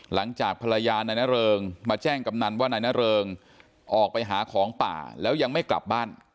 หลังจากภรรยานายนเริงมาแจ้งกำนันว่านายนเริงออกไปหาของป่าแล้วยังไม่กลับบ้าน